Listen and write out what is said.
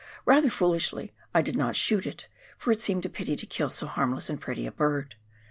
Rather foolishly I did not shoot it, for it seemed a pity to kill so harmless and pretty a bird.